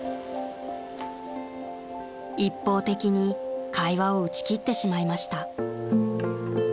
［一方的に会話を打ち切ってしまいました］